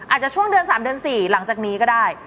อาจจะช่วงเดือน๓เดือน๔หลังจากนี้ก็ได้